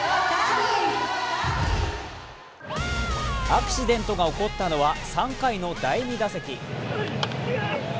アクシデントが起こったのは３回の第２打席。